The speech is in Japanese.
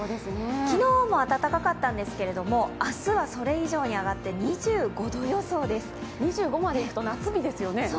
昨日も暖かかったんですけれども、明日はそれ以上に上がって２５までいくと、夏日ですよね。